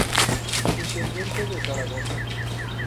Intendente de Zaragoza.